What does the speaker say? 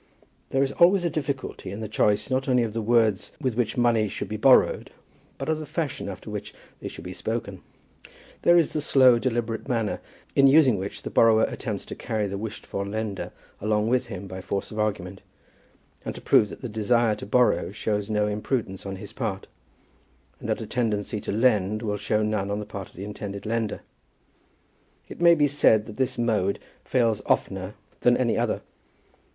There is always a difficulty in the choice, not only of the words with which money should be borrowed, but of the fashion after which they should be spoken. There is the slow deliberate manner, in using which the borrower attempts to carry the wished for lender along with him by force of argument, and to prove that the desire to borrow shows no imprudence on his own part, and that a tendency to lend will show none on the part of the intended lender. It may be said that this mode fails oftener than any other.